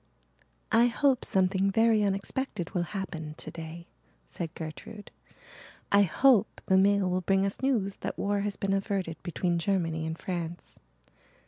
"I hope something very unexpected will happen today," said Gertrude. "I hope the mail will bring us news that war has been averted between Germany and France."